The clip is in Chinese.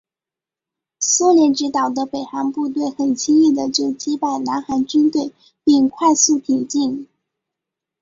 苏联指导的北韩部队很轻易的就击败南韩军队并快速挺进。